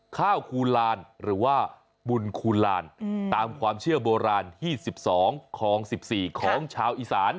คูลานหรือว่าบุญคูลานตามความเชื่อโบราณที่๑๒คลอง๑๔ของชาวอีสาน